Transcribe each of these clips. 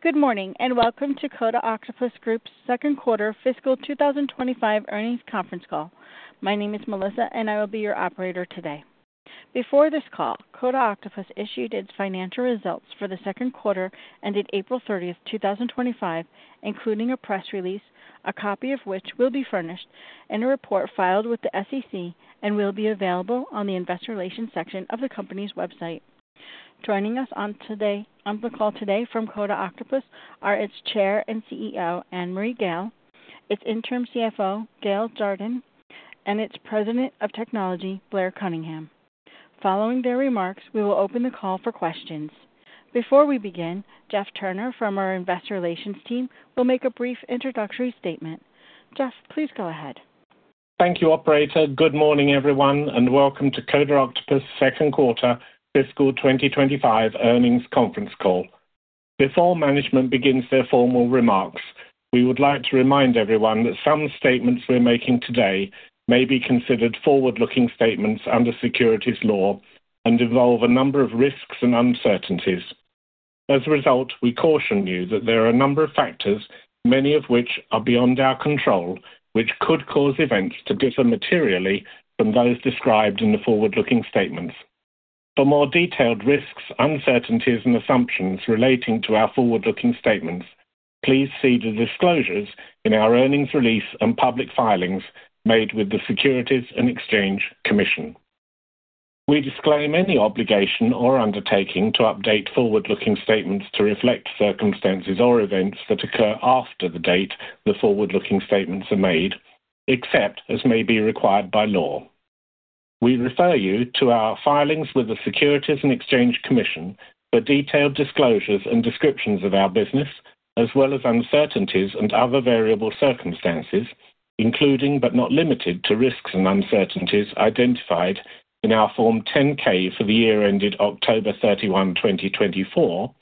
Good morning and welcome to Coda Octopus Group's Second Quarter Fiscal 2025 Earnings Conference Call. My name is Melissa, and I will be your operator today. Before this call, Coda Octopus issued its financial results for the second quarter ended April 30, 2025, including a press release, a copy of which will be furnished, and a report filed with the SEC, and will be available on the investor relations section of the company's website. Joining us on the call today from Coda Octopus are its Chair and CEO, Annmarie Gayle, its Interim CFO, Gayle Jardine, and its President of Technology, Blair Cunningham. Following their remarks, we will open the call for questions. Before we begin, Jeff Turner from our investor relations team will make a brief introductory statement. Jeff, please go ahead. Thank you, operator. Good morning, everyone, and welcome to Coda Octopus Second Quarter Fiscal 2025 Earnings Conference Call. Before management begins their formal remarks, we would like to remind everyone that some statements we're making today may be considered forward-looking statements under securities law and involve a number of risks and uncertainties. As a result, we caution you that there are a number of factors, many of which are beyond our control, which could cause events to differ materially from those described in the forward-looking statements. For more detailed risks, uncertainties, and assumptions relating to our forward-looking statements, please see the disclosures in our earnings release and public filings made with the Securities and Exchange Commission. We disclaim any obligation or undertaking to update forward-looking statements to reflect circumstances or events that occur after the date the forward-looking statements are made, except as may be required by law. We refer you to our filings with the Securities and Exchange Commission for detailed disclosures and descriptions of our business, as well as uncertainties and other variable circumstances, including but not limited to risks and uncertainties identified in our Form 10-K for the year ended October 31, 2024,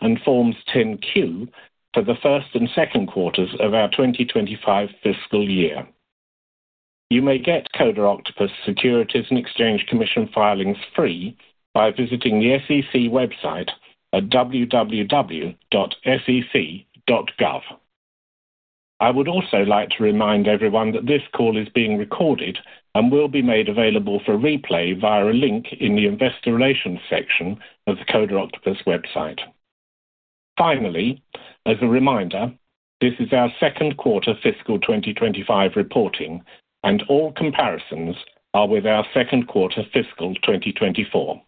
and Forms 10-Q for the first and second quarters of our 2025 fiscal year. You may get Coda Octopus Securities and Exchange Commission filings free by visiting the SEC website at www.sec.gov. I would also like to remind everyone that this call is being recorded and will be made available for replay via a link in the investor relations section of the Coda Octopus website. Finally, as a reminder, this is our second quarter fiscal 2025 reporting, and all comparisons are with our second quarter fiscal 2024.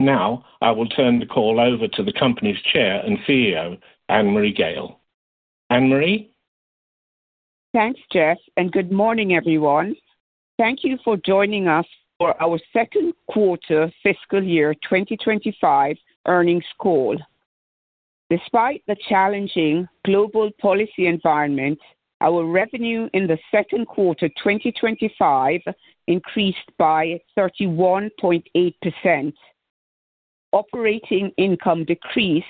Now, I will turn the call over to the company's Chair and CEO, Annmarie Gayle. Annmarie? Thanks, Jeff, and good morning, everyone. Thank you for joining us for our Second Quarter Fiscal Year 2025 Earnings Call. Despite the challenging global policy environment, our revenue in the second quarter 2025 increased by 31.8%. Operating income decreased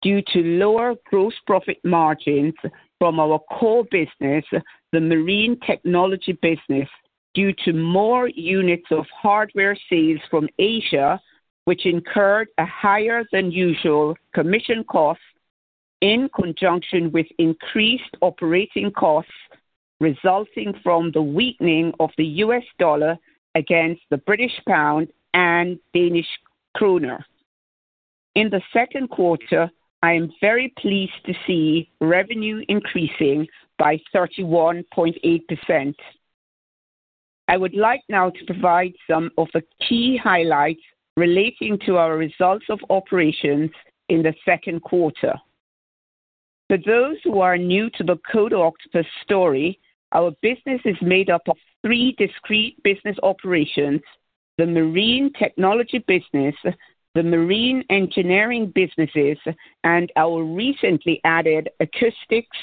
due to lower gross profit margins from our core business, the marine technology business, due to more units of hardware sales from Asia, which incurred a higher-than-usual commission cost in conjunction with increased operating costs resulting from the weakening of the U.S. dollar against the British pound and Danish kroner. In the second quarter, I am very pleased to see revenue increasing by 31.8%. I would like now to provide some of the key highlights relating to our results of operations in the second quarter. For those who are new to the Coda Octopus story, our business is made up of three discrete business operations: the marine technology business, the marine engineering businesses, and our recently added acoustics,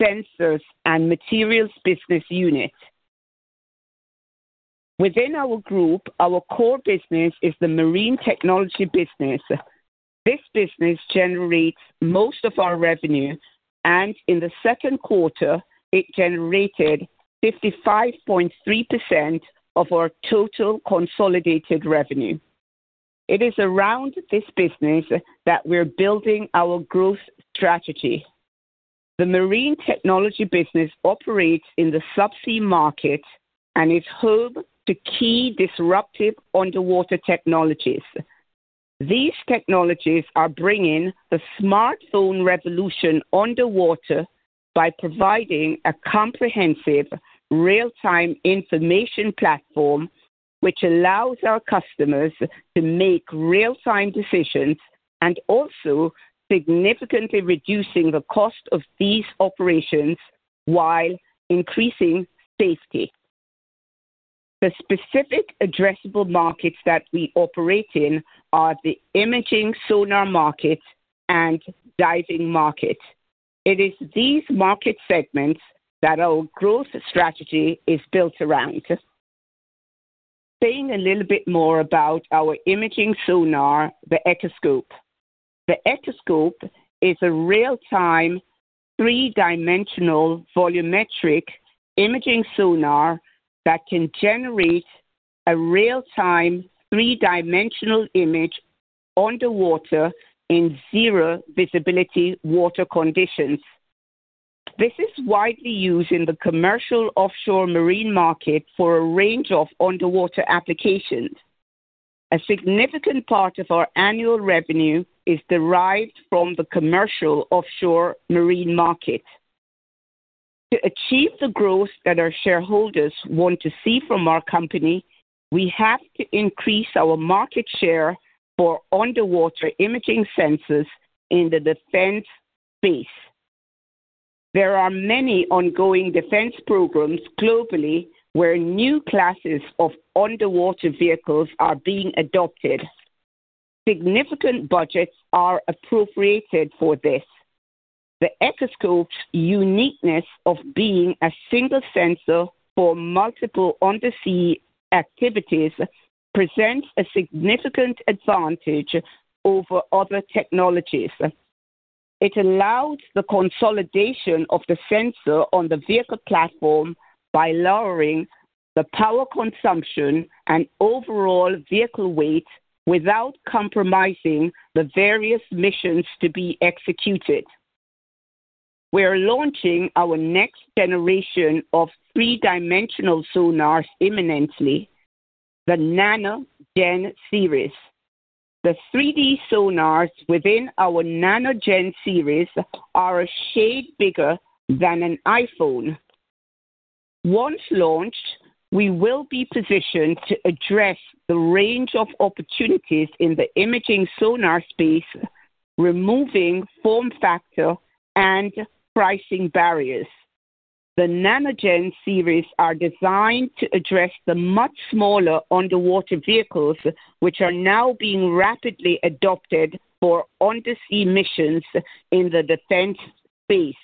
sensors, and materials business unit. Within our group, our core business is the marine technology business. This business generates most of our revenue, and in the second quarter, it generated 55.3% of our total consolidated revenue. It is around this business that we're building our growth strategy. The marine technology business operates in the subsea market and is home to key disruptive underwater technologies. These technologies are bringing the smartphone revolution underwater by providing a comprehensive real-time information platform, which allows our customers to make real-time decisions and also significantly reducing the cost of these operations while increasing safety. The specific addressable markets that we operate in are the imaging sonar market and diving market. It is these market segments that our growth strategy is built around. Saying a little bit more about our imaging sonar, the Echoscope. The Echoscope is a real-time three-dimensional volumetric imaging sonar that can generate a real-time three-dimensional image underwater in zero visibility water conditions. This is widely used in the commercial offshore marine market for a range of underwater applications. A significant part of our annual revenue is derived from the commercial offshore marine market. To achieve the growth that our shareholders want to see from our company, we have to increase our market share for underwater imaging sensors in the defense space. There are many ongoing defense programs globally where new classes of underwater vehicles are being adopted. Significant budgets are appropriated for this. The Echoscope's uniqueness of being a single sensor for multiple undersea activities presents a significant advantage over other technologies. It allows the consolidation of the sensor on the vehicle platform by lowering the power consumption and overall vehicle weight without compromising the various missions to be executed. We're launching our next generation of three-dimensional sonars imminently, the NANO Gen series. The 3D sonars within our NANO Gen series are a shade bigger than an iPhone. Once launched, we will be positioned to address the range of opportunities in the imaging sonar space, removing form factor and pricing barriers. The NANO Gen series are designed to address the much smaller underwater vehicles, which are now being rapidly adopted for undersea missions in the defense space.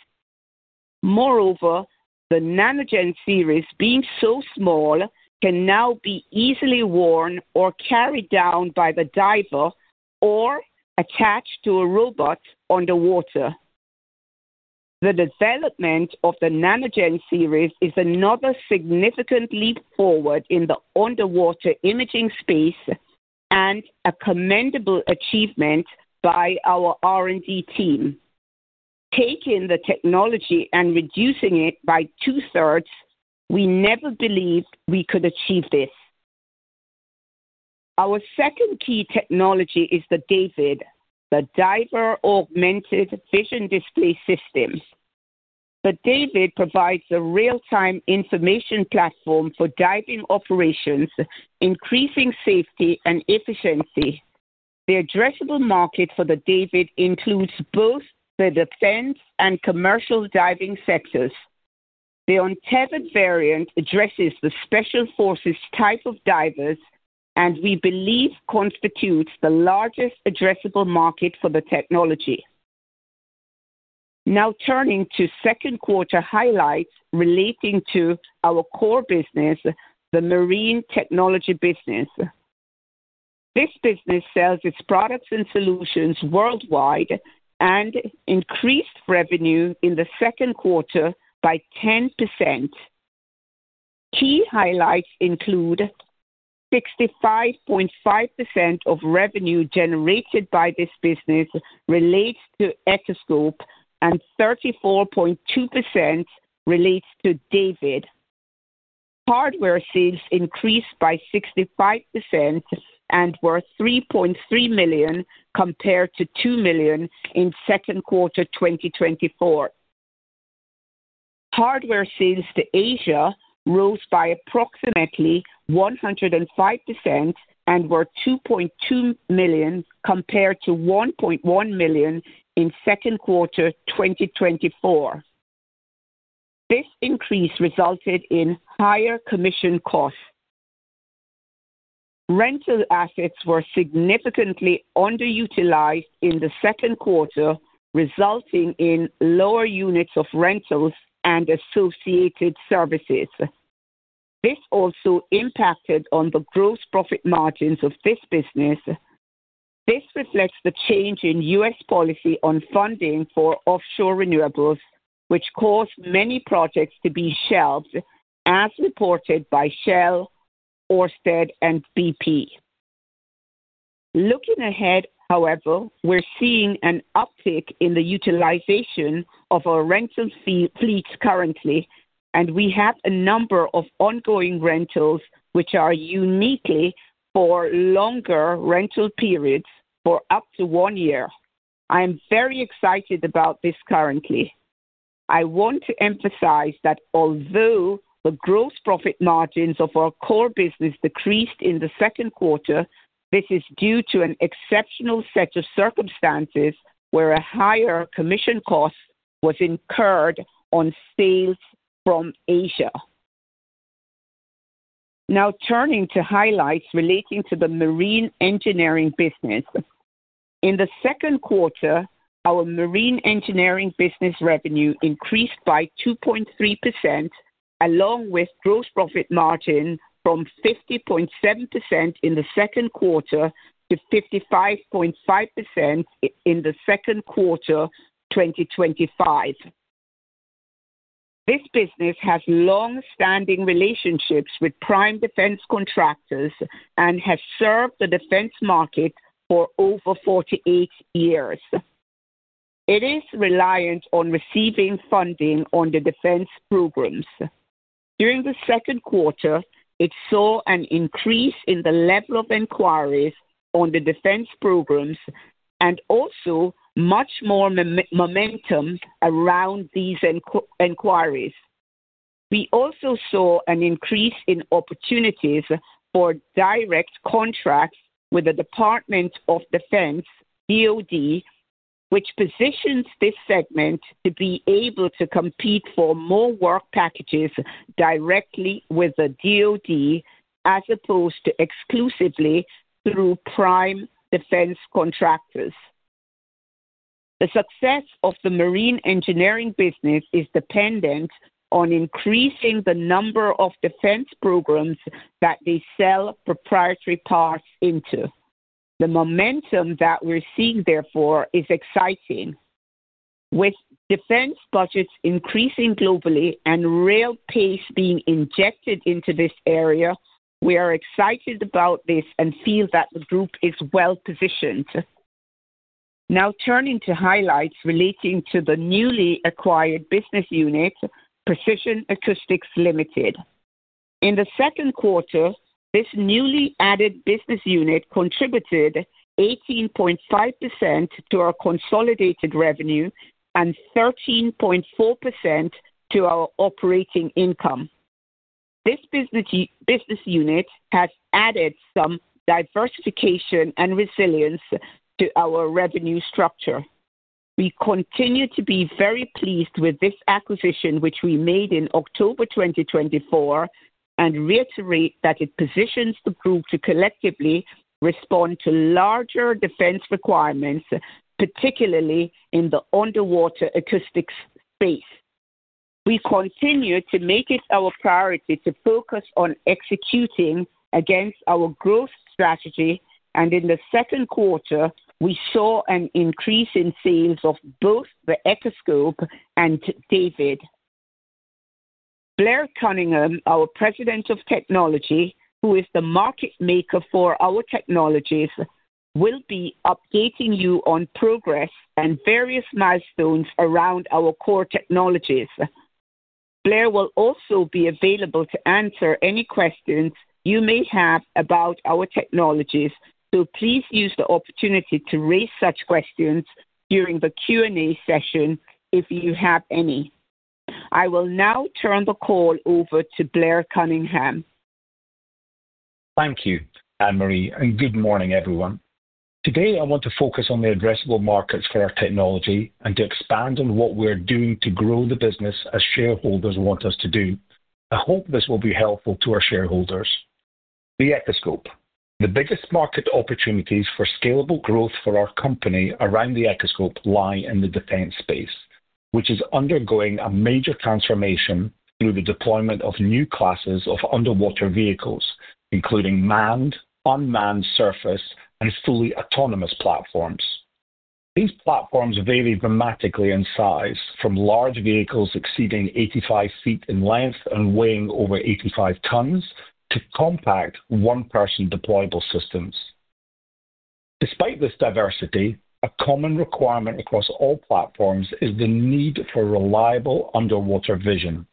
Moreover, the NANO Gen series, being so small, can now be easily worn or carried down by the diver or attached to a robot underwater. The development of the NANO Gen series is another significant leap forward in the underwater imaging space and a commendable achievement by our R&D team. Taking the technology and reducing it by two-thirds, we never believed we could achieve this. Our second key technology is the DAVD, the Diver Augmented Vision Display System. The DAVD provides a real-time information platform for diving operations, increasing safety and efficiency. The addressable market for the DAVD includes both the defense and commercial diving sectors. The untethered variant addresses the special forces type of divers, and we believe constitutes the largest addressable market for the technology. Now turning to second quarter highlights relating to our core business, the marine technology business. This business sells its products and solutions worldwide and increased revenue in the second quarter by 10%. Key highlights include 65.5% of revenue generated by this business relates to Echoscope and 34.2% relates to DAVD. Hardware sales increased by 65% and were $3.3 million compared to $2 million in second quarter 2024. Hardware sales to Asia rose by approximately 105% and were $2.2 million compared to $1.1 million in second quarter 2024. This increase resulted in higher commission costs. Rental assets were significantly underutilized in the second quarter, resulting in lower units of rentals and associated services. This also impacted on the gross profit margins of this business. This reflects the change in U.S. policy on funding for offshore renewables, which caused many projects to be shelved, as reported by Shell, Ørsted, and BP. Looking ahead, however, we're seeing an uptick in the utilization of our rental fleets currently, and we have a number of ongoing rentals which are uniquely for longer rental periods for up to one year. I am very excited about this currently. I want to emphasize that although the gross profit margins of our core business decreased in the second quarter, this is due to an exceptional set of circumstances where a higher commission cost was incurred on sales from Asia. Now turning to highlights relating to the marine engineering business. In the second quarter, our marine engineering business revenue increased by 2.3%, along with gross profit margin from 50.7% in the second quarter to 55.5% in the second quarter 2025. This business has long-standing relationships with prime defense contractors and has served the defense market for over 48 years. It is reliant on receiving funding on the defense programs. During the second quarter, it saw an increase in the level of inquiries on the defense programs and also much more momentum around these inquiries. We also saw an increase in opportunities for direct contracts with the Department of Defense, DoD, which positions this segment to be able to compete for more work packages directly with the DoD as opposed to exclusively through prime defense contractors. The success of the marine engineering business is dependent on increasing the number of defense programs that they sell proprietary parts into. The momentum that we're seeing, therefore, is exciting. With defense budgets increasing globally and real pace being injected into this area, we are excited about this and feel that the group is well positioned. Now turning to highlights relating to the newly acquired business unit, Precision Acoustics Ltd. In the second quarter, this newly added business unit contributed 18.5% to our consolidated revenue and 13.4% to our operating income. This business unit has added some diversification and resilience to our revenue structure. We continue to be very pleased with this acquisition, which we made in October 2024, and reiterate that it positions the group to collectively respond to larger defense requirements, particularly in the underwater acoustics space. We continue to make it our priority to focus on executing against our growth strategy, and in the second quarter, we saw an increase in sales of both the Echoscope and DAVD. Blair Cunningham, our President of Technology, who is the market maker for our technologies, will be updating you on progress and various milestones around our core technologies. Blair will also be available to answer any questions you may have about our technologies, so please use the opportunity to raise such questions during the Q&A session if you have any. I will now turn the call over to Blair Cunningham. Thank you, Annmarie, and good morning, everyone. Today, I want to focus on the addressable markets for our technology and to expand on what we're doing to grow the business as shareholders want us to do. I hope this will be helpful to our shareholders. The Echoscope. The biggest market opportunities for scalable growth for our company around the Echoscope lie in the defense space, which is undergoing a major transformation through the deployment of new classes of underwater vehicles, including manned, unmanned surface, and fully autonomous platforms. These platforms vary dramatically in size, from large vehicles exceeding 85 ft in length and weighing over 85 tons to compact one-person deployable systems. Despite this diversity, a common requirement across all platforms is the need for reliable underwater vision.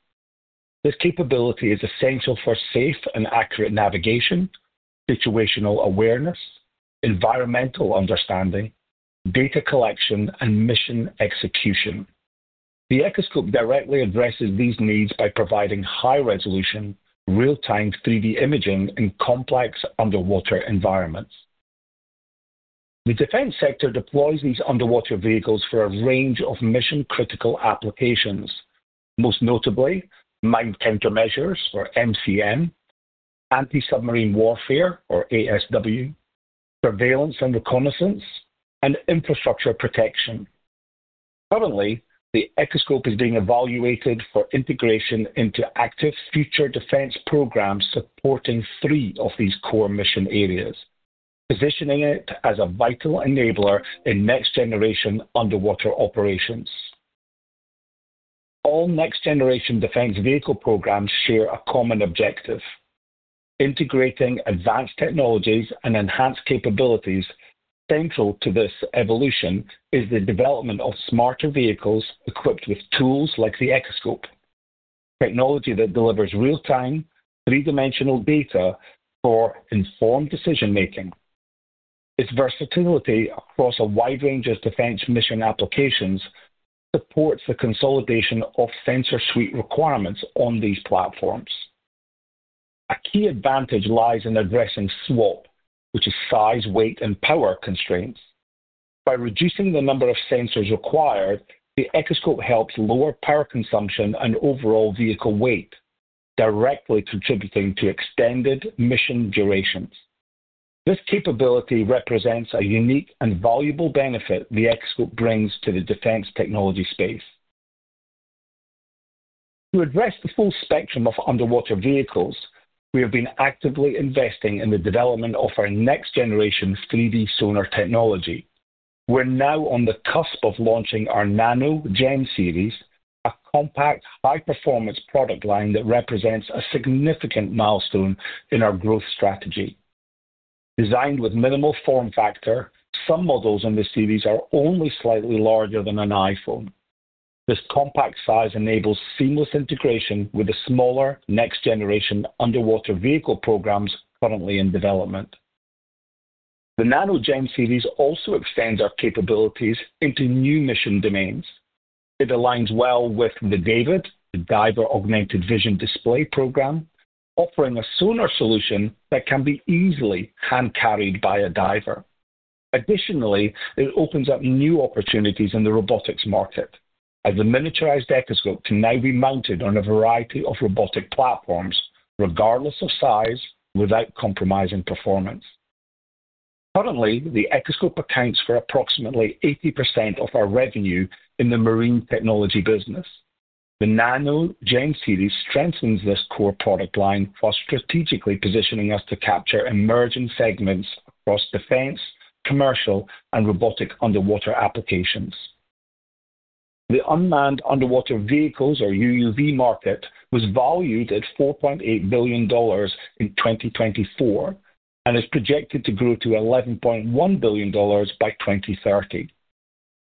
This capability is essential for safe and accurate navigation, situational awareness, environmental understanding, data collection, and mission execution. The Echoscope directly addresses these needs by providing high-resolution, real-time 3D imaging in complex underwater environments. The defense sector deploys these underwater vehicles for a range of mission-critical applications, most notably mine countermeasures or MCM, anti-submarine warfare or ASW, surveillance and reconnaissance, and infrastructure protection. Currently, the Echoscope is being evaluated for integration into active future defense programs supporting three of these core mission areas, positioning it as a vital enabler in next-generation underwater operations. All next-generation defense vehicle programs share a common objective. Integrating advanced technologies and enhanced capabilities central to this evolution is the development of smarter vehicles equipped with tools like the Echoscope, technology that delivers real-time, three-dimensional data for informed decision-making. Its versatility across a wide range of defense mission applications supports the consolidation of sensor suite requirements on these platforms. A key advantage lies in addressing SWaP, which is size, weight, and power constraints. By reducing the number of sensors required, the Echoscope helps lower power consumption and overall vehicle weight, directly contributing to extended mission durations. This capability represents a unique and valuable benefit the Echoscope brings to the defense technology space. To address the full spectrum of underwater vehicles, we have been actively investing in the development of our next-generation 3D sonar technology. We're now on the cusp of launching our NANO Gen series, a compact, high-performance product line that represents a significant milestone in our growth strategy. Designed with minimal form factor, some models in this series are only slightly larger than an iPhone. This compact size enables seamless integration with the smaller next-generation underwater vehicle programs currently in development. The NANO Gen series also extends our capabilities into new mission domains. It aligns well with the DAVD, the Diver Augmented Vision Display Program, offering a sonar solution that can be easily hand-carried by a diver. Additionally, it opens up new opportunities in the robotics market, as the miniaturized Echoscope can now be mounted on a variety of robotic platforms, regardless of size, without compromising performance. Currently, the Echoscope accounts for approximately 80% of our revenue in the marine technology business. The NANO Gen series strengthens this core product line while strategically positioning us to capture emerging segments across defense, commercial, and robotic underwater applications. The Unmanned Underwater Vehicles or UUV market was valued at $4.8 billion in 2024 and is projected to grow to $11.1 billion by 2030.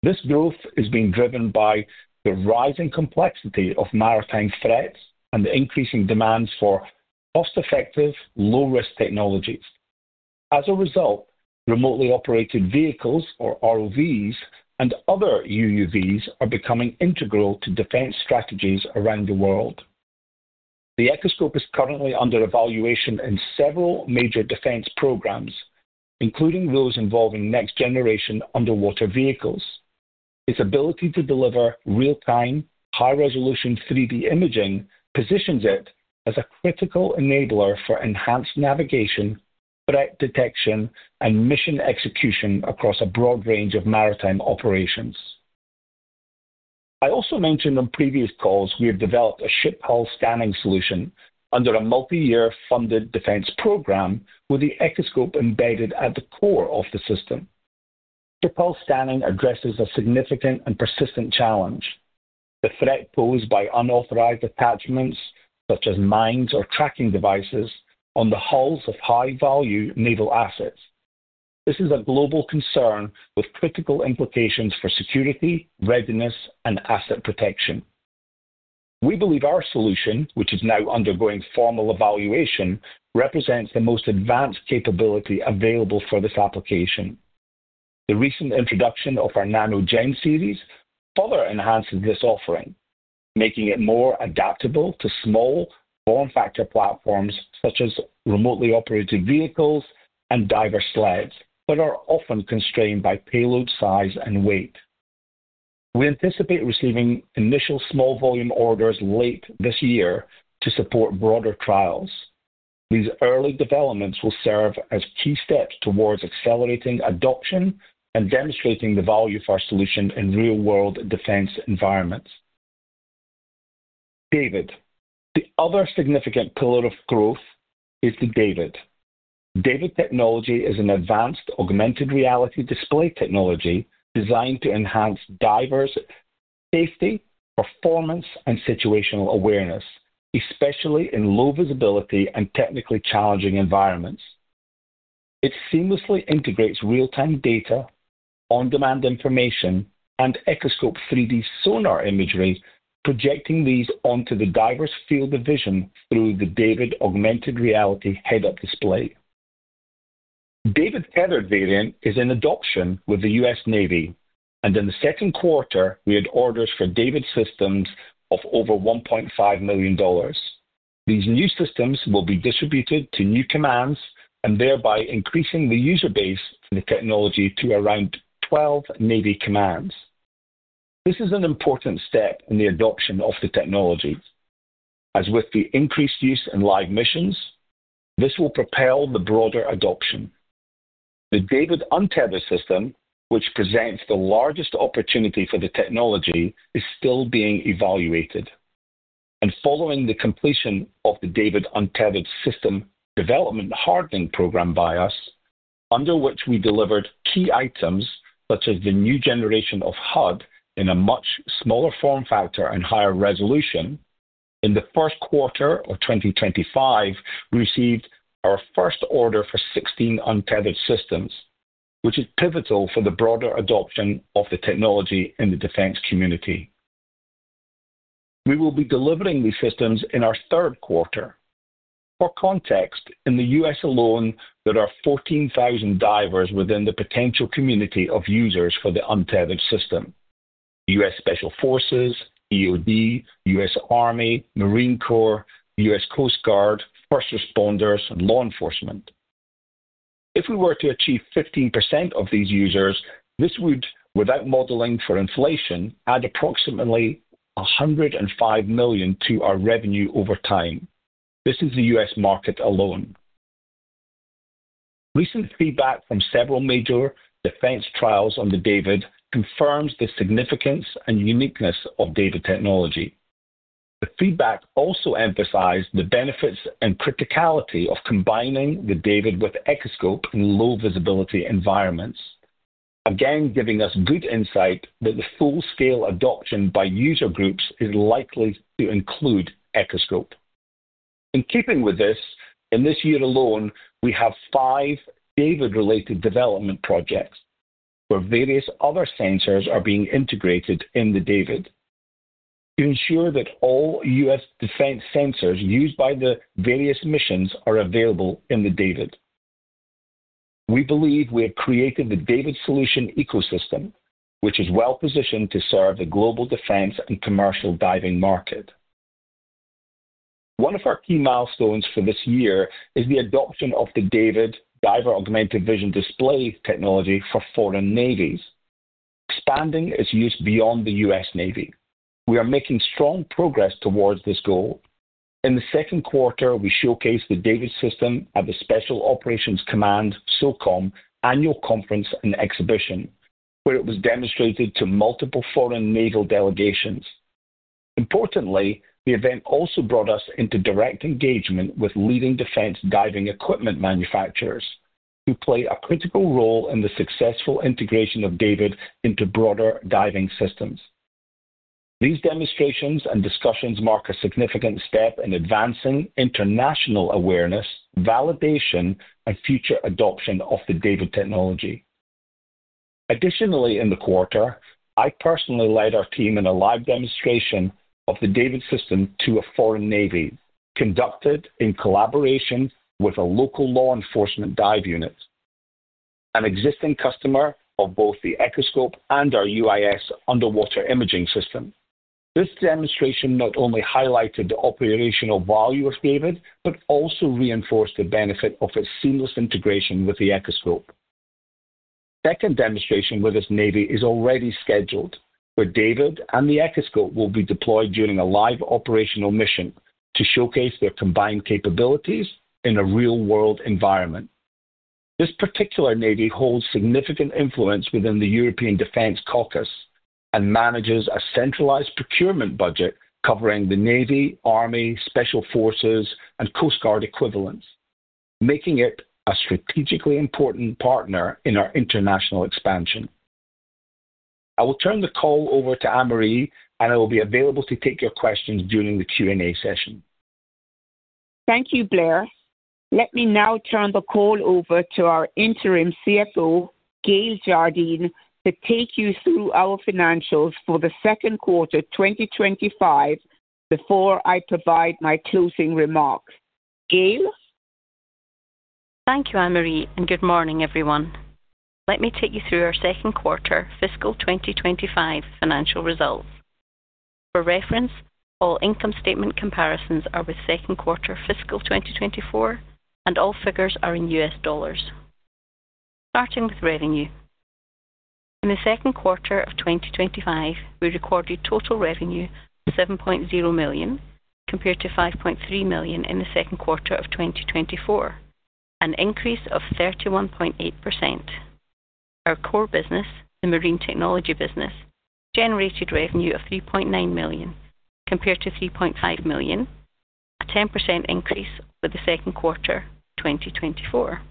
This growth is being driven by the rising complexity of maritime threats and the increasing demands for cost-effective, low-risk technologies. As a result, remotely operated vehicles or ROVs and other UUVs are becoming integral to defense strategies around the world. The Echoscope is currently under evaluation in several major defense programs, including those involving next-generation underwater vehicles. Its ability to deliver real-time, high-resolution 3D imaging positions it as a critical enabler for enhanced navigation, threat detection, and mission execution across a broad range of maritime operations. I also mentioned on previous calls we have developed a ship hull scanning solution under a multi-year funded defense program, with the Echoscope embedded at the core of the system. Ship hull scanning addresses a significant and persistent challenge: the threat posed by unauthorized attachments, such as mines or tracking devices, on the hulls of high-value naval assets. This is a global concern with critical implications for security, readiness, and asset protection. We believe our solution, which is now undergoing formal evaluation, represents the most advanced capability available for this application. The recent introduction of our NANO Gen series further enhances this offering, making it more adaptable to small form factor platforms such as remotely operated vehicles and diver sleds that are often constrained by payload size and weight. We anticipate receiving initial small volume orders late this year to support broader trials. These early developments will serve as key steps towards accelerating adoption and demonstrating the value of our solution in real-world defense environments. DAVD. The other significant pillar of growth is the DAVD. DAVD technology is an advanced Augmented Reality display technology designed to enhance diverse safety, performance, and situational awareness, especially in low visibility and technically challenging environments. It seamlessly integrates real-time data, on-demand information, and Echoscope 3D sonar imagery, projecting these onto the diver's field of vision through the DAVD Augmented Reality head-up display. DAVD's tethered variant is in adoption with the U.S. Navy, and in the second quarter, we had orders for DAVD systems of over $1.5 million. These new systems will be distributed to new commands and thereby increasing the user base for the technology to around 12 navy commands. This is an important step in the adoption of the technology. As with the increased use in live missions, this will propel the broader adoption. The DAVD untethered system, which presents the largest opportunity for the technology, is still being evaluated. Following the completion of the DAVD untethered system development hardening program by us, under which we delivered key items such as the new generation of HUD in a much smaller form factor and higher resolution, in the first quarter of 2025, we received our first order for 16 untethered systems, which is pivotal for the broader adoption of the technology in the defense community. We will be delivering these systems in our third quarter. For context, in the U.S. alone, there are 14,000 divers within the potential community of users for the untethered system: U.S. Special Forces, EOD, U.S. Army, Marine Corps, U.S. Coast Guard, first responders, and law enforcement. If we were to achieve 15% of these users, this would, without modeling for inflation, add approximately $105 million to our revenue over time. This is the U.S. market alone. Recent feedback from several major defense trials on the DAVD confirms the significance and uniqueness of DAVD technology. The feedback also emphasized the benefits and criticality of combining the DAVD with Echoscope in low visibility environments, again giving us good insight that the full-scale adoption by user groups is likely to include Echoscope. In keeping with this, in this year alone, we have five DAVD-related development projects where various other sensors are being integrated in the DAVD to ensure that all U.S. defense sensors used by the various missions are available in the DAVD. We believe we have created the DAVD solution ecosystem, which is well-positioned to serve the global defense and commercial diving market. One of our key milestones for this year is the adoption of the DAVD Diver Augmented Vision Display technology for foreign navies, expanding its use beyond the U.S. Navy. We are making strong progress towards this goal. In the second quarter, we showcased the DAVD system at the Special Operations Command, SOCOM annual conference and exhibition, where it was demonstrated to multiple foreign naval delegations. Importantly, the event also brought us into direct engagement with leading defense diving equipment manufacturers, who play a critical role in the successful integration of DAVD into broader diving systems. These demonstrations and discussions mark a significant step in advancing international awareness, validation, and future adoption of the DAVD technology. Additionally, in the quarter, I personally led our team in a live demonstration of the DAVD system to a foreign navy, conducted in collaboration with a local law enforcement dive unit, an existing customer of both the Echoscope and our UIS underwater imaging system. This demonstration not only highlighted the operational value of DAVD, but also reinforced the benefit of its seamless integration with the Echoscope. The second demonstration with this navy is already scheduled, where DAVD and the Echoscope will be deployed during a live operational mission to showcase their combined capabilities in a real-world environment. This particular navy holds significant influence within the European defense caucus and manages a centralized procurement budget covering the Navy, Army, Special Forces, and Coast Guard equivalents, making it a strategically important partner in our international expansion. I will turn the call over to Annmarie, and I will be available to take your questions during the Q&A session. Thank you, Blair. Let me now turn the call over to our Interim CFO, Gayle Jardine, to take you through our financials for the second quarter 2025 before I provide my closing remarks. Gayle? Thank you, Annmarie, and good morning, everyone. Let me take you through our second quarter fiscal 2025 financial results. For reference, all income statement comparisons are with second quarter fiscal 2024, and all figures are in U.S. dollars. Starting with revenue. In the second quarter of 2025, we recorded total revenue of $7.0 million compared to $5.3 million in the second quarter of 2024, an increase of 31.8%. Our core business, the marine technology business, generated revenue of $3.9 million compared to $3.5 million, a 10% increase with the second quarter 2024.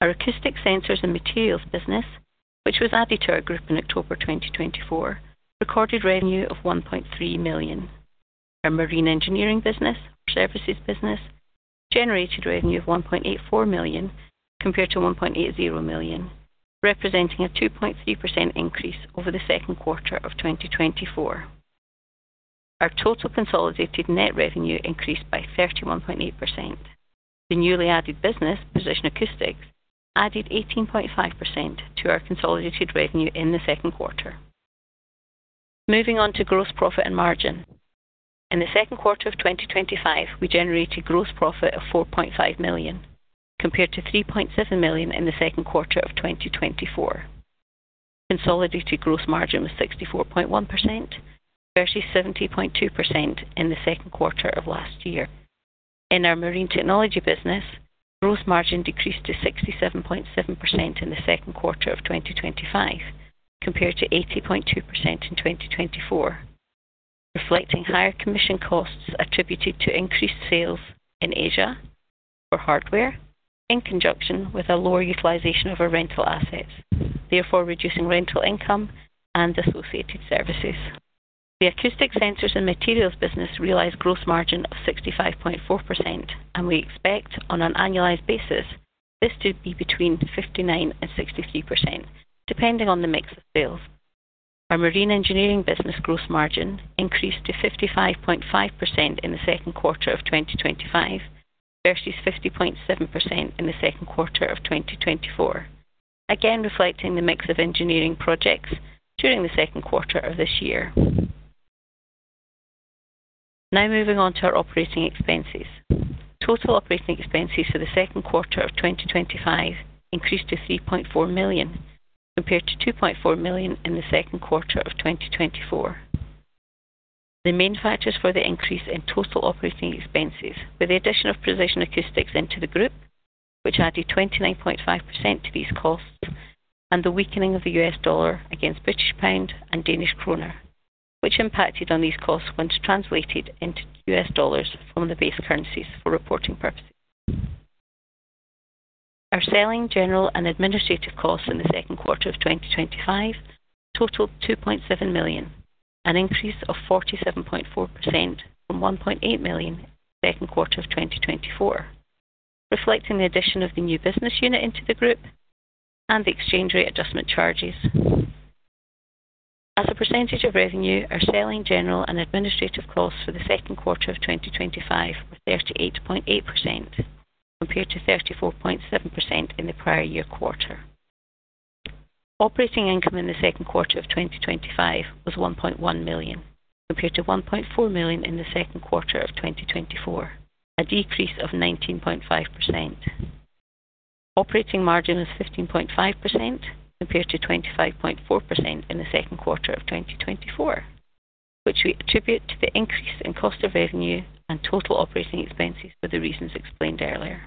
Our acoustic sensors and materials business, which was added to our group in October 2024, recorded revenue of $1.3 million. Our marine engineering business, services business, generated revenue of $1.84 million compared to $1.80 million, representing a 2.3% increase over the second quarter of 2024. Our total consolidated net revenue increased by 31.8%. The newly added business, Precision Acoustics, added 18.5% to our consolidated revenue in the second quarter. Moving on to gross profit and margin. In the second quarter of 2025, we generated gross profit of $4.5 million compared to $3.7 million in the second quarter of 2024. Our consolidated gross margin was 64.1% versus 70.2% in the second quarter of last year. In our marine technology business, gross margin decreased to 67.7% in the second quarter of 2025 compared to 80.2% in 2024, reflecting higher commission costs attributed to increased sales in Asia for hardware in conjunction with a lower utilization of our rental assets, therefore reducing rental income and associated services. The acoustic sensors and materials business realized gross margin of 65.4%, and we expect on an annualized basis this to be between 59% and 63%, depending on the mix of sales. Our marine engineering business gross margin increased to 55.5% in the second quarter of 2025 versus 50.7% in the second quarter of 2024, again reflecting the mix of engineering projects during the second quarter of this year. Now moving on to our operating expenses. Total operating expenses for the second quarter of 2025 increased to $3.4 million compared to $2.4 million in the second quarter of 2024. The main factors for the increase in total operating expenses were the addition of Precision Acoustics into the group, which added 29.5% to these costs, and the weakening of the U.S. dollar against British pound and Danish kroner, which impacted on these costs when translated into U.S. dollars from the base currencies for reporting purposes. Our selling, general, and administrative costs in the second quarter of 2025 totaled $2.7 million, an increase of 47.4% from $1.8 million in the second quarter of 2024, reflecting the addition of the new business unit into the group and the exchange rate adjustment charges. As a percentage of revenue, our selling, general, and administrative costs for the second quarter of 2025 were 38.8% compared to 34.7% in the prior year quarter. Operating income in the second quarter of 2025 was $1.1 million compared to $1.4 million in the second quarter of 2024, a decrease of 19.5%. Operating margin was 15.5% compared to 25.4% in the second quarter of 2024, which we attribute to the increase in cost of revenue and total operating expenses for the reasons explained earlier.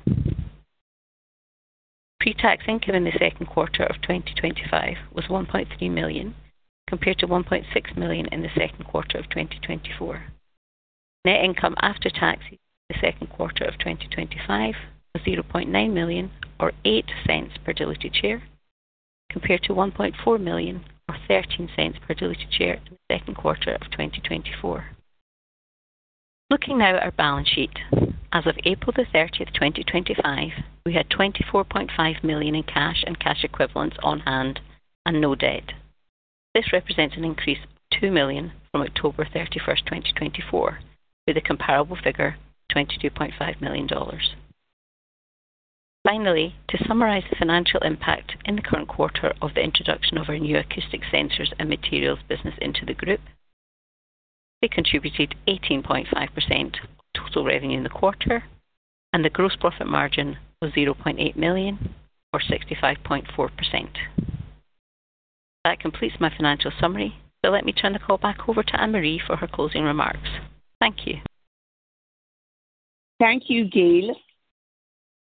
Pre-tax income in the second quarter of 2025 was $1.3 million compared to $1.6 million in the second quarter of 2024. Net income after tax in the second quarter of 2025 was $0.9 million, or $0.08 per diluted share, compared to $1.4 million, or $0.13 per diluted share in the second quarter of 2024. Looking now at our balance sheet, as of April 30, 2025, we had $24.5 million in cash and cash equivalents on hand and no debt. This represents an increase of $2 million from October 31, 2024, with a comparable figure of $22.5 million. Finally, to summarize the financial impact in the current quarter of the introduction of our new acoustic sensors and materials business into the group, we contributed 18.5% of total revenue in the quarter, and the gross profit margin was $0.8 million, or 65.4%. That completes my financial summary, so let me turn the call back over to Annmarie for her closing remarks. Thank you. Thank you, Gayle.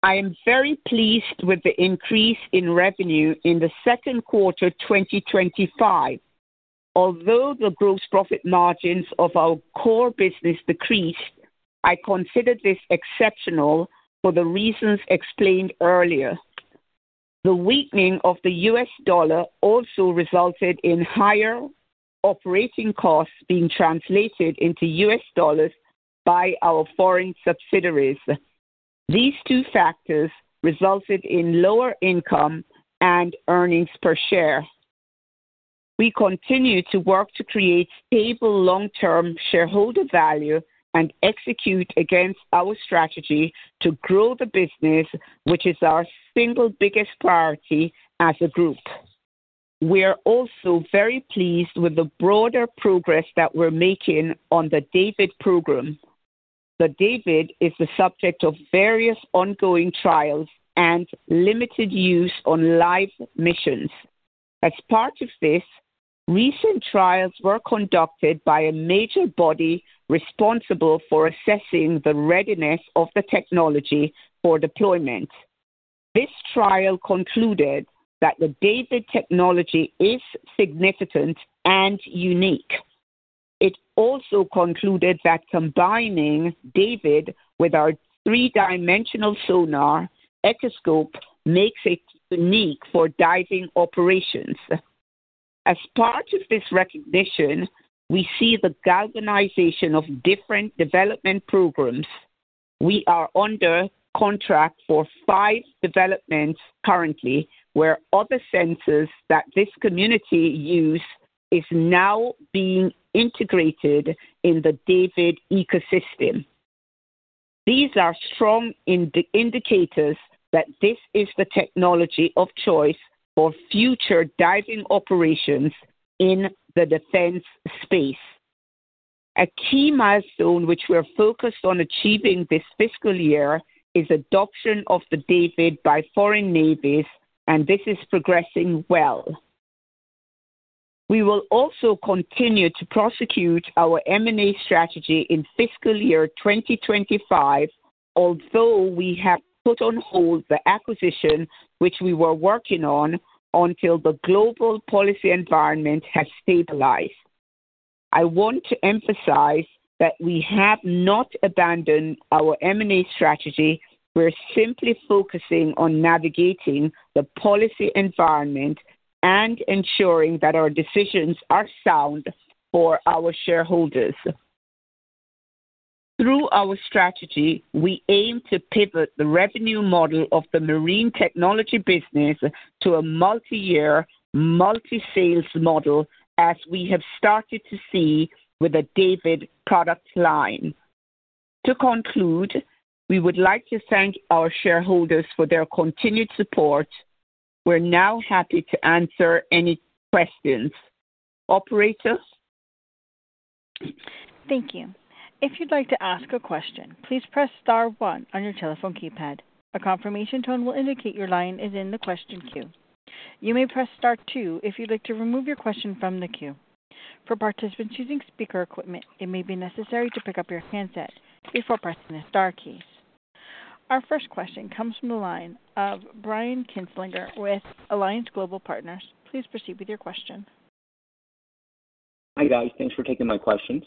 I am very pleased with the increase in revenue in the second quarter 2025. Although the gross profit margins of our core business decreased, I consider this exceptional for the reasons explained earlier. The weakening of the U.S. dollar also resulted in higher operating costs being translated into U.S. dollars by our foreign subsidiaries. These two factors resulted in lower income and earnings per share. We continue to work to create stable long-term shareholder value and execute against our strategy to grow the business, which is our single biggest priority as a group. We are also very pleased with the broader progress that we're making on the DAVD program. The DAVD is the subject of various ongoing trials and limited use on live missions. As part of this, recent trials were conducted by a major body responsible for assessing the readiness of the technology for deployment. This trial concluded that the DAVD technology is significant and unique. It also concluded that combining DAVD with our three-dimensional sonar Echoscope makes it unique for diving operations. As part of this recognition, we see the galvanization of different development programs. We are under contract for five developments currently, where other sensors that this community use is now being integrated in the DAVD ecosystem. These are strong indicators that this is the technology of choice for future diving operations in the defense space. A key milestone which we are focused on achieving this fiscal year is adoption of the DAVD by foreign navies, and this is progressing well. We will also continue to prosecute our M&A strategy in fiscal year 2025, although we have put on hold the acquisition which we were working on until the global policy environment has stabilized. I want to emphasize that we have not abandoned our M&A strategy. We're simply focusing on navigating the policy environment and ensuring that our decisions are sound for our shareholders. Through our strategy, we aim to pivot the revenue model of the marine technology business to a multi-year, multi-sales model, as we have started to see with the DAVD product line. To conclude, we would like to thank our shareholders for their continued support. We're now happy to answer any questions. Operators? Thank you. If you'd like to ask a question, please press star one on your telephone keypad. A confirmation tone will indicate your line is in the question queue. You may press star two if you'd like to remove your question from the queue. For participants using speaker equipment, it may be necessary to pick up your handset before pressing the star keys. Our first question comes from the line of Brian Kinstlinger with Alliance Global Partners. Please proceed with your question. Hi guys, thanks for taking my questions.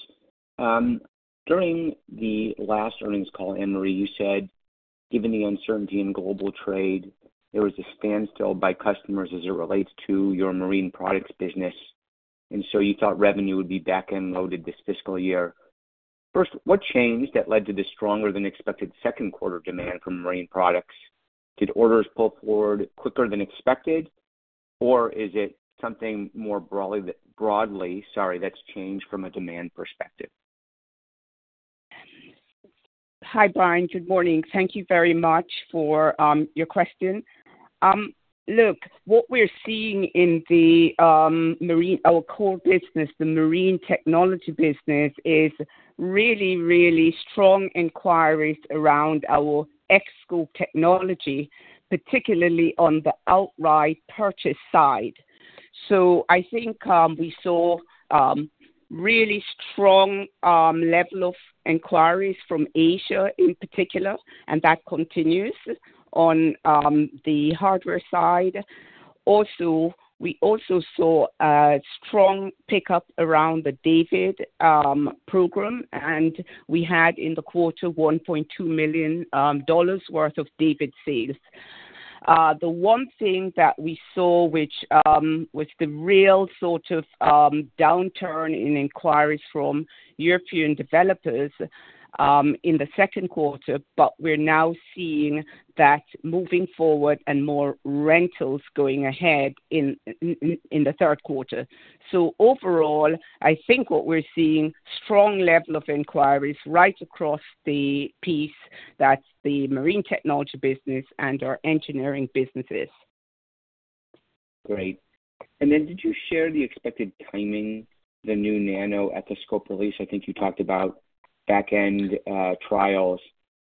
During the last earnings call, Annmarie, you said, given the uncertainty in global trade, there was a standstill by customers as it relates to your marine products business, and so you thought revenue would be back end loaded this fiscal year. First, what changed that led to the stronger-than-expected second quarter demand for marine products? Did orders pull forward quicker than expected, or is it something more broadly, sorry, that's changed from a demand perspective? Hi, Brian. Good morning. Thank you very much for your question. Look, what we're seeing in our core business, the marine technology business, is really, really strong inquiries around our Echoscope technology, particularly on the outright purchase side. I think we saw a really strong level of inquiries from Asia in particular, and that continues on the hardware side. Also, we also saw a strong pickup around the DAVD program, and we had in the quarter $1.2 million worth of DAVD sales. The one thing that we saw, which was the real sort of downturn in inquiries from European developers in the second quarter, but we're now seeing that moving forward and more rentals going ahead in the third quarter. Overall, I think what we're seeing is a strong level of inquiries right across the piece that's the marine technology business and our engineering businesses. Great. And then did you share the expected timing, the new nano Echoscope release? I think you talked about back-end trials.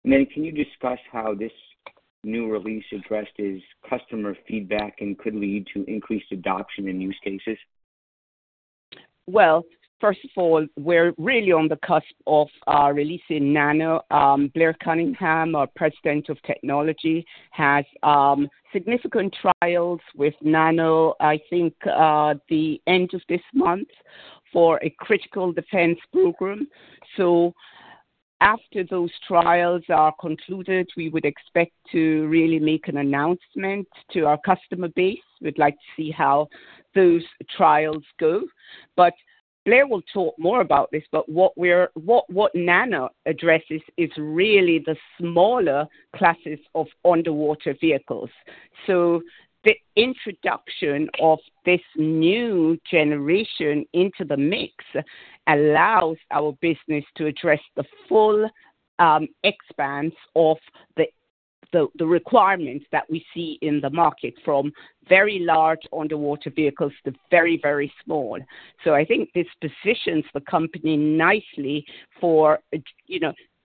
Can you discuss how this new release addressed customer feedback and could lead to increased adoption in use cases? First of all, we're really on the cusp of releasing NANO. Blair Cunningham, our President of Technology, has significant trials with NANO, I think, at the end of this month for a critical defense program. After those trials are concluded, we would expect to really make an announcement to our customer base. We'd like to see how those trials go. Blair will talk more about this, but what NANO addresses is really the smaller classes of underwater vehicles. The introduction of this new generation into the mix allows our business to address the full expanse of the requirements that we see in the market, from very large underwater vehicles to very, very small. I think this positions the company nicely for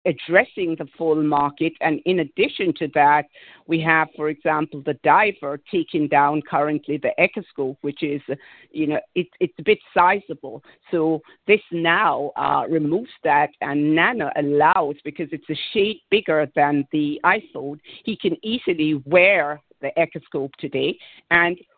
addressing the full market. In addition to that, we have, for example, the diver taking down currently the Echoscope, which is a bit sizable. This now removes that, and nano allows, because it's a shade bigger than the iPhone, he can easily wear the Echoscope today.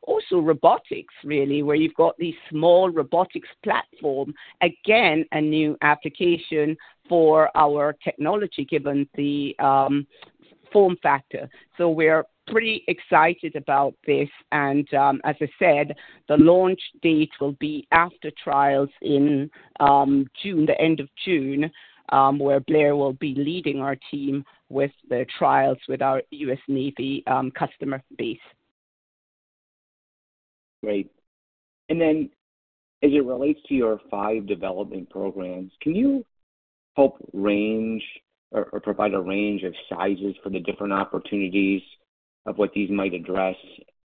Also, robotics, really, where you've got these small robotics platforms, again, a new application for our technology given the form factor. We're pretty excited about this. As I said, the launch date will be after trials in June, the end of June, where Blair will be leading our team with the trials with our U.S. Navy customer base. Great. As it relates to your five development programs, can you help range or provide a range of sizes for the different opportunities of what these might address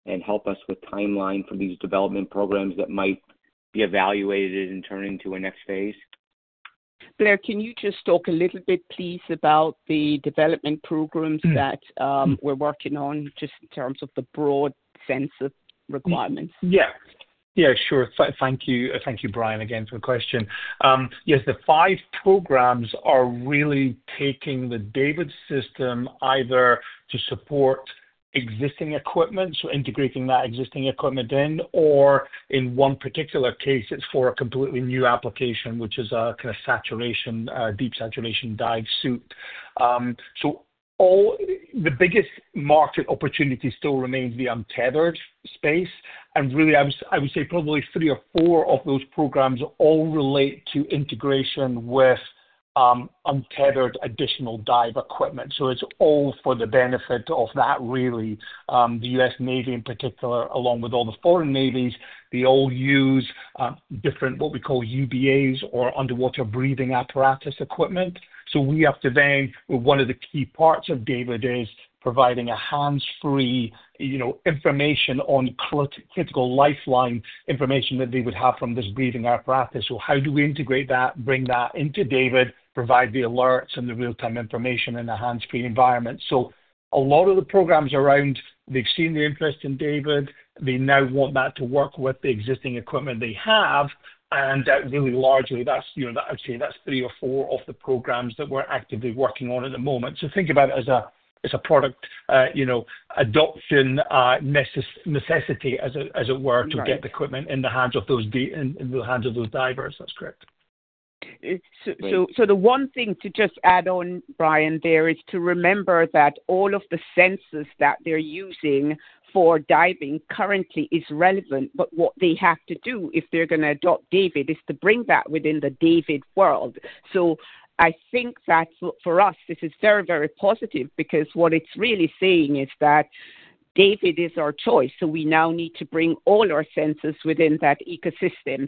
and help us with timeline for these development programs that might be evaluated and turn into a next phase? Blair, can you just talk a little bit, please, about the development programs that we're working on just in terms of the broad sense of requirements? Yeah. Yeah, sure. Thank you, Brian, again for the question. Yes, the five programs are really taking the DAVD system either to support existing equipment, so integrating that existing equipment in, or in one particular case, it's for a completely new application, which is a kind of deep saturation dive suit. The biggest market opportunity still remains the untethered space. I would say probably three or four of those programs all relate to integration with untethered additional dive equipment. It is all for the benefit of the U.S. Navy in particular, along with all the foreign navies. They all use different, what we call UBAs, or underwater breathing apparatus equipment. One of the key parts of DAVD is providing hands-free information on critical lifeline information that they would have from this breathing apparatus. How do we integrate that, bring that into DAVD, provide the alerts and the real-time information in a hands-free environment? A lot of the programs around, they have seen the interest in DAVD. They now want that to work with the existing equipment they have. Largely, I would say that is three or four of the programs that we are actively working on at the moment. Think about it as a product adoption necessity, as it were, to get the equipment in the hands of those divers. That's correct. The one thing to just add on, Brian, there is to remember that all of the sensors that they're using for diving currently is relevant, but what they have to do if they're going to adopt DAVD is to bring that within the DAVD world. I think that for us, this is very, very positive because what it's really saying is that DAVD is our choice. We now need to bring all our sensors within that ecosystem.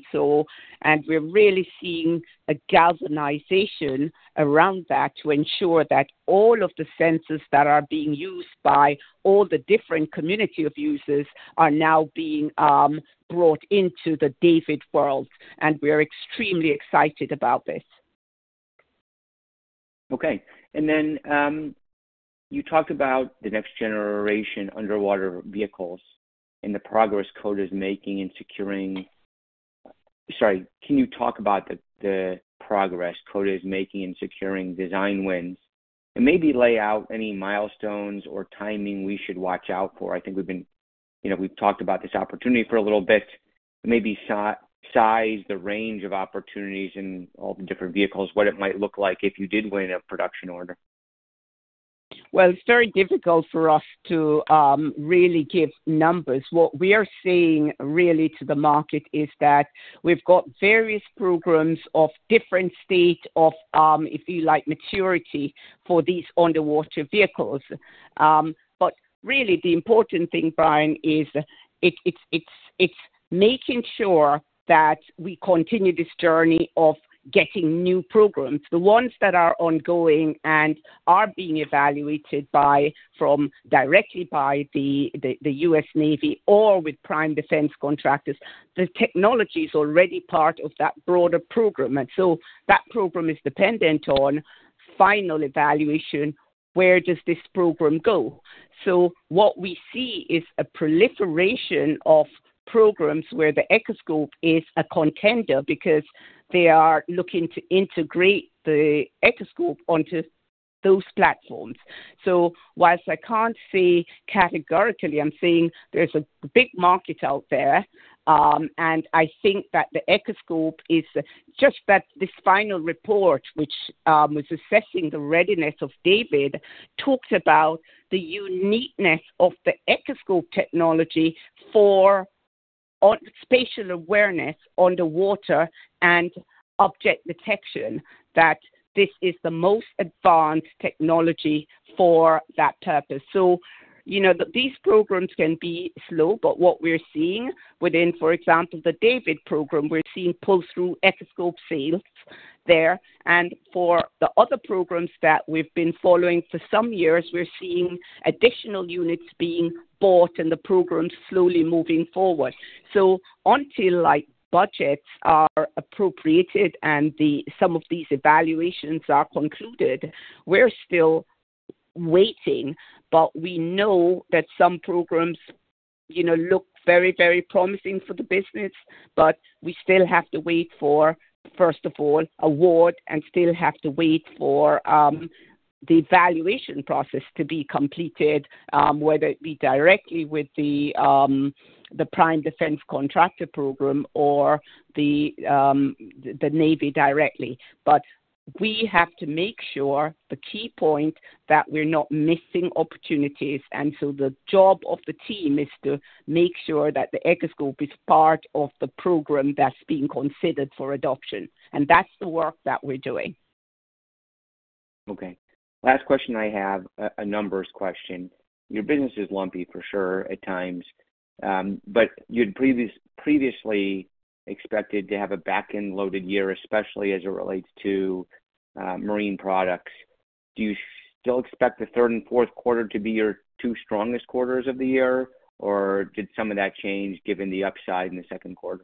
We're really seeing a galvanization around that to ensure that all of the sensors that are being used by all the different community of users are now being brought into the DAVD world. We are extremely excited about this. Okay. You talked about the next generation underwater vehicles and the progress Coda is making in securing. Sorry, can you talk about the progress Coda is making in securing design wins? Maybe lay out any milestones or timing we should watch out for. I think we've talked about this opportunity for a little bit. Maybe size the range of opportunities in all the different vehicles, what it might look like if you did win a production order. It is very difficult for us to really give numbers. What we are seeing really to the market is that we've got various programs of different states of, if you like, maturity for these underwater vehicles. The important thing, Brian, is it's making sure that we continue this journey of getting new programs. The ones that are ongoing and are being evaluated directly by the U.S. Navy or with prime defense contractors, the technology is already part of that broader program. That program is dependent on final evaluation, where does this program go? What we see is a proliferation of programs where the Echoscope is a contender because they are looking to integrate the Echoscope onto those platforms. Whilst I can't say categorically, I'm saying there's a big market out there. I think that the Echoscope is just that this final report, which was assessing the readiness of DAVD, talks about the uniqueness of the Echoscope technology for spatial awareness underwater and object detection, that this is the most advanced technology for that purpose. These programs can be slow, but what we're seeing within, for example, the DAVD program, we're seeing pull-through Echoscope sales there. For the other programs that we've been following for some years, we're seeing additional units being bought and the programs slowly moving forward. Until budgets are appropriated and some of these evaluations are concluded, we're still waiting. We know that some programs look very, very promising for the business, but we still have to wait for, first of all, award and still have to wait for the evaluation process to be completed, whether it be directly with the prime defense contractor program or the navy directly. We have to make sure, the key point, that we're not missing opportunities. The job of the team is to make sure that the Echoscope is part of the program that's being considered for adoption. That's the work that we're doing. Okay. Last question I have, a numbers question. Your business is lumpy for sure at times, but you'd previously expected to have a back-end loaded year, especially as it relates to marine products. Do you still expect the third and fourth quarter to be your two strongest quarters of the year, or did some of that change given the upside in the second quarter?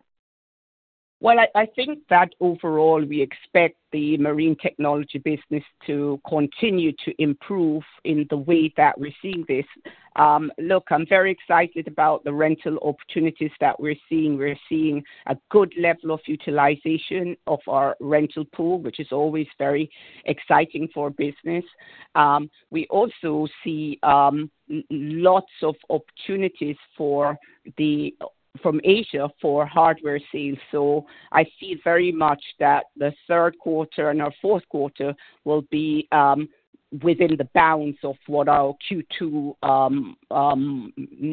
I think that overall, we expect the marine technology business to continue to improve in the way that we're seeing this. Look, I'm very excited about the rental opportunities that we're seeing. We're seeing a good level of utilization of our rental pool, which is always very exciting for business. We also see lots of opportunities from Asia for hardware sales. I see very much that the third quarter and our fourth quarter will be within the bounds of what our Q2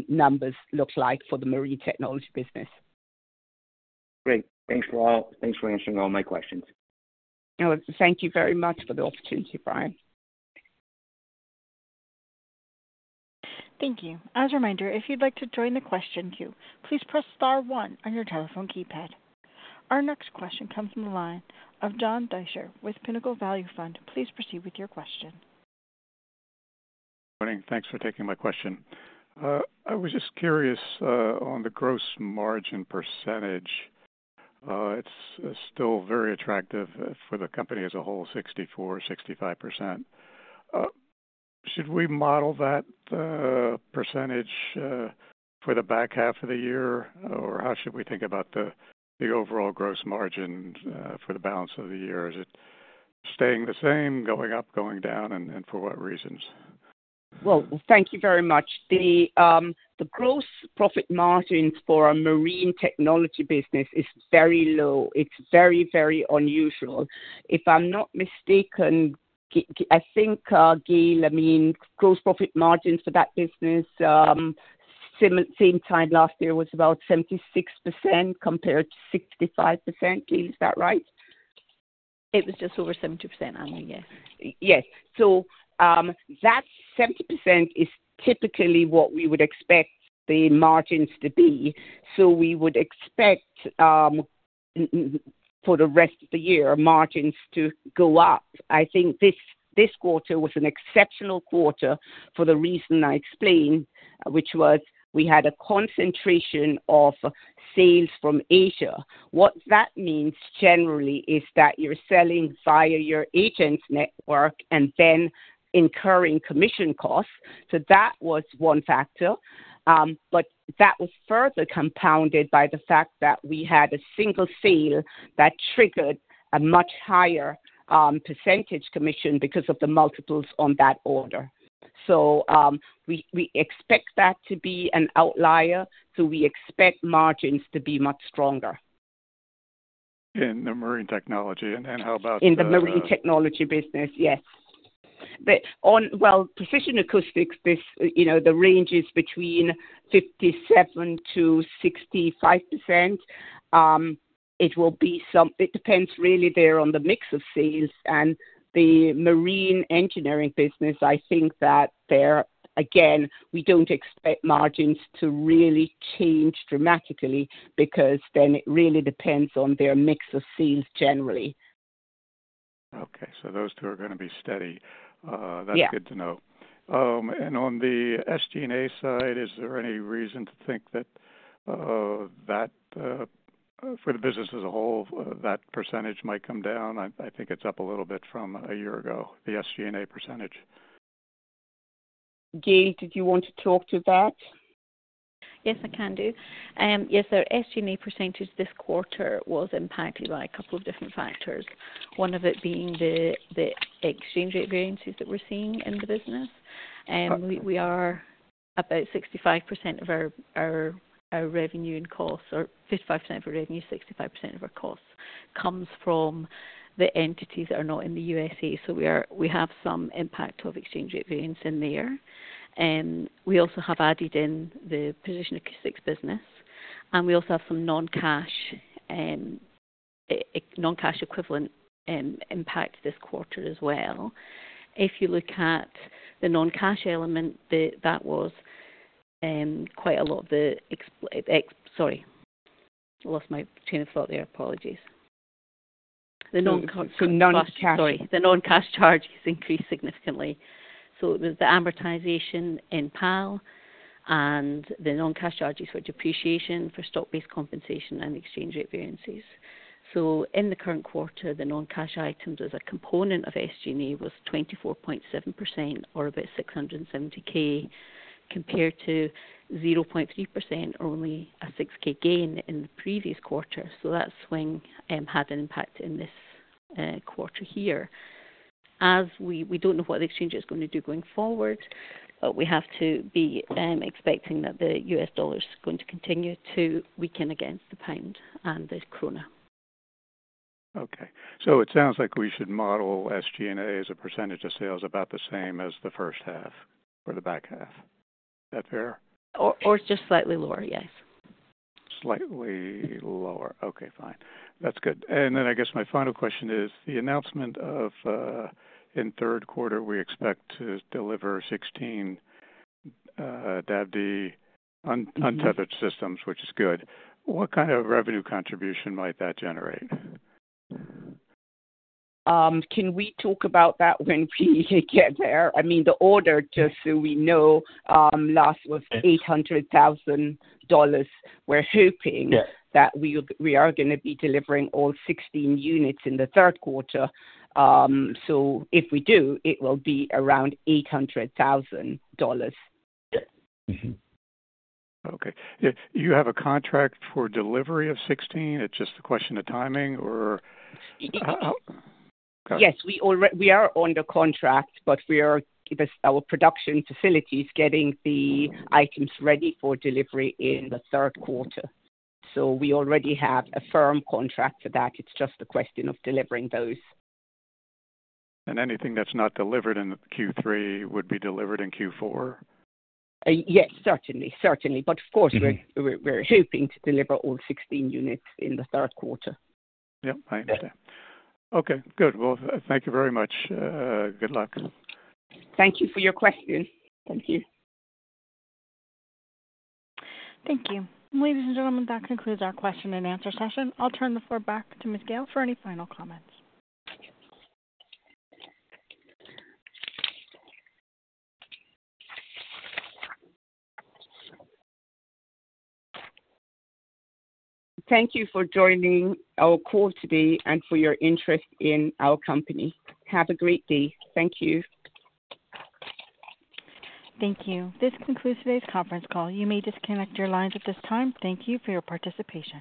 numbers look like for the marine technology business. Great. Thanks for answering all my questions. Thank you very much for the opportunity, Brian. Thank you. As a reminder, if you'd like to join the question queue, please press star one on your telephone keypad. Our next question comes from the line of John Deysher with Pinnacle Value Fund. Please proceed with your question. Good morning. Thanks for taking my question. I was just curious on the gross margin percentage. It's still very attractive for the company as a whole, 64%-65%. Should we model that percentage for the back half of the year, or how should we think about the overall gross margin for the balance of the year? Is it staying the same, going up, going down, and for what reasons? Thank you very much. The gross profit margins for a marine technology business is very low. It's very, very unusual. If I'm not mistaken, I think, Gayle, I mean, gross profit margins for that business, same time last year, was about 76% compared to 65%. Gayle, is that right? It was just over 70%, Anna. Yes. Yes. That 70% is typically what we would expect the margins to be. We would expect for the rest of the year, margins to go up. I think this quarter was an exceptional quarter for the reason I explained, which was we had a concentration of sales from Asia. What that means generally is that you're selling via your agents' network and then incurring commission costs. That was one factor. That was further compounded by the fact that we had a single sale that triggered a much higher percentage commission because of the multiples on that order. We expect that to be an outlier. We expect margins to be much stronger. In the marine technology, and how about the other? In the marine technology business, yes. Precision Acoustics, the range is between 57%-65%. It depends really there on the mix of sales. In the marine engineering business, I think that there, again, we do not expect margins to really change dramatically because then it really depends on their mix of sales generally. Okay. Those two are going to be steady. That is good to know. On the SG&A side, is there any reason to think that for the business as a whole, that percentage might come down? I think it is up a little bit from a year ago, the SG&A percentage. Gayle, did you want to talk to that? Yes, I can do. Yes, our SG&A percentage this quarter was impacted by a couple of different factors, one of it being the exchange rate variances that we're seeing in the business. We are about 65% of our revenue and costs, or 55% of our revenue, 65% of our costs comes from the entities that are not in the U.S. We have some impact of exchange rate variance in there. We also have added in the Precision Acoustics business. We also have some non-cash equivalent impact this quarter as well. If you look at the non-cash element, that was quite a lot of the sorry, I lost my train of thought there. Apologies. The [non-cash charge] increased significantly. It was the amortization in PAL and the non-cash charges for depreciation for stock-based compensation and exchange rate variances. In the current quarter, the non-cash items as a component of SG&A was 24.7% or about $670,000 compared to 0.3% or only a $6,000 gain in the previous quarter. That swing had an impact in this quarter here. As we do not know what the exchange rate is going to do going forward, we have to be expecting that the U.S. dollar is going to continue to weaken against the pound and the krone. Okay. It sounds like we should model SG&A as a percentage of sales about the same as the first half or the back half. Is that fair? Or just slightly lower, yes. Slightly lower. Okay. Fine. That is good. I guess my final question is the announcement of in third quarter, we expect to deliver 16 DAVD untethered systems, which is good. What kind of revenue contribution might that generate? Can we talk about that when we get there? I mean, the order, just so we know, last was $800,000. We're hoping that we are going to be delivering all 16 units in the third quarter. If we do, it will be around $800,000. Okay. You have a contract for delivery of 16? It's just a question of timing, or? Yes. We are on the contract, but our production facility is getting the items ready for delivery in the third quarter. We already have a firm contract for that. It's just a question of delivering those. Anything that's not delivered in Q3 would be delivered in Q4? Yes, certainly. Certainly. We are hoping to deliver all 16 units in the third quarter. Yep. I understand. Good. Thank you very much. Good luck. Thank you for your question. Thank you. Thank you. Ladies and gentlemen, that concludes our question and answer session. I'll turn the floor back to Ms. Gayle for any final comments. Thank you for joining our call today and for your interest in our company. Have a great day. Thank you. This concludes today's conference call. You may disconnect your lines at this time. Thank you for your participation.